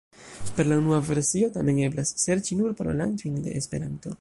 Per la unua versio tamen eblas serĉi nur parolantojn de Esperanto.